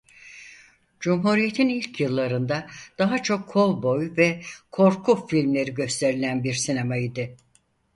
Cumhuriyetin ilk yıllarında daha çok kovboy ve korku filmleri gösterilen bir sinema idi.